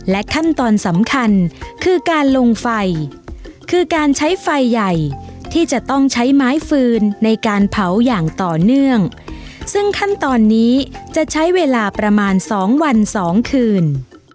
ขั้นตอนสำคัญคือการลงไฟคือการใช้ไฟใหญ่ที่จะต้องใช้ไม้ฟืนในการเผาอย่างต่อเนื่องซึ่งขั้นตอนนี้จะใช้เวลาประมาณสองวันสองคืน